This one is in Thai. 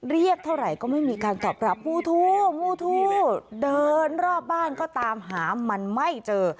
เรียกเท่าไหร่ก็ไม่มีการตอบรับมูทู้มูทูเดินรอบบ้านก็ตามหามันไม่เจอ